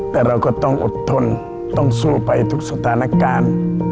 แต่เราก็ต้องอดทนต้องสู้ไปทุกสถานการณ์